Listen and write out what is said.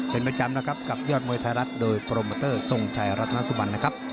เป็นประจำนะครับกับยอดมวยไทยรัฐโดยโปรโมเตอร์ทรงชัยรัฐนาสุบันนะครับ